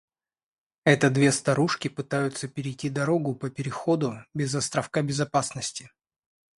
Это две старушки пытаются перейти дорогу по переходу без островка безопасности